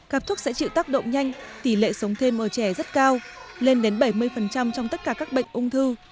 các thuốc sẽ chịu tác động nhanh tỷ lệ sống thêm ở trẻ rất cao lên đến bảy mươi trong tất cả các bệnh ung thư